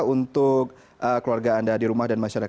untuk keluarga anda di rumah dan masyarakat